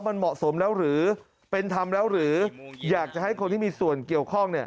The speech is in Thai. มันเหมาะสมแล้วหรือเป็นธรรมแล้วหรืออยากจะให้คนที่มีส่วนเกี่ยวข้อง